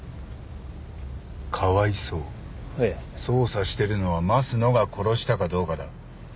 ええ。捜査してるのは益野が殺したかどうかだ。